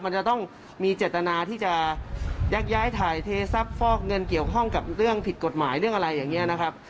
มันจะต้องมีเจตนาที่จะยักย้ายถ่ายเททรัพย์ฟอกเงินเกี่ยวข้องกับเรื่องผิดกฎหมายเรื่องอะไรอย่างนี้นะครับ